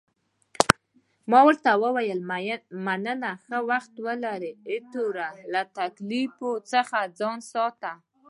ما ورته وویل، مننه، ښه وخت ولرې، ایټوره، له تکالیفو څخه ځان ساته.